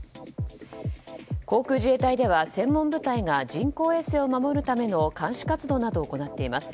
航空自衛隊では専門部隊が人工衛星を守るための監視活動を行っています。